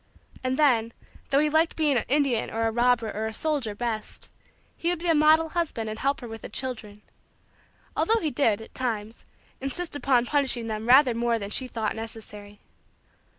And then, though he liked being an Indian or a robber or a soldier best, he would be a model husband and help her with the children; although he did, at times, insist upon punishing them rather more than she thought necessary.